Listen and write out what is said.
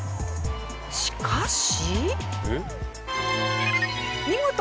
しかし。